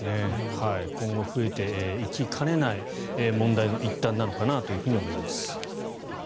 今後増えていきかねない問題の一端なのかなと思います。